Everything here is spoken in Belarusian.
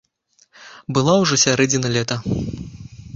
Была ўжо сярэдзіна лета.